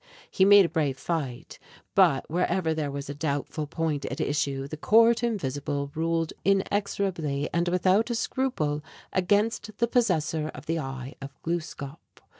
He made a brave fight; but wherever there was a doubtful point at issue, the Court Invisible ruled inexorably and without a scruple against the possessor of the "Eye of Gluskâp."